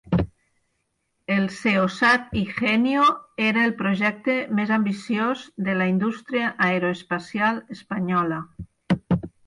El SEOSAT–Igenio era el projecte més ambiciós de la indústria aeroespacial espanyola.